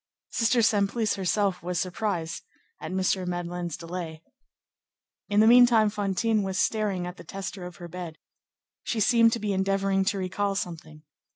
Sister Simplice herself was surprised at M. Madeleine's delay. In the meantime, Fantine was staring at the tester of her bed. She seemed to be endeavoring to recall something.